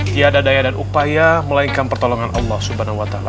tiada daya dan upaya melainkan pertolongan allah subhanahu wa ta'ala